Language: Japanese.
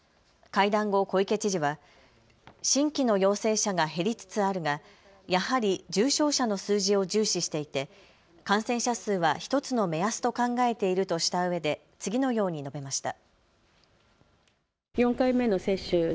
会談後、小池知事は新規の陽性者が減りつつあるがやはり重症者の数字を重視していて感染者数は１つの目安と考えているとしたうえで次のように述べました。